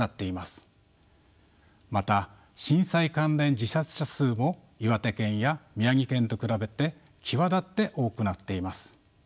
また震災関連自殺者数も岩手県や宮城県と比べて際立って多くなっています。